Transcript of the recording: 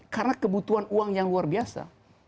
karena kebutuhan uang yang luar biasa